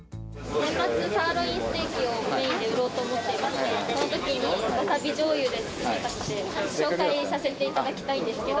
年末、サーロインステーキをメインで売ろうと思っていまして、そのときに、わさびじょうゆをお勧めとして紹介させていただきたいんですけれども。